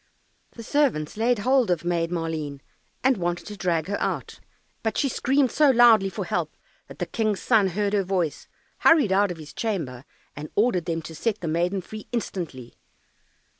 The servants laid hold of Maid Maleen and wanted to drag her out, but she screamed so loudly for help, that the King's son heard her voice, hurried out of his chamber and ordered them to set the maiden free instantly.